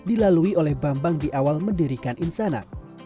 dilalui oleh bambang di awal mendirikan insana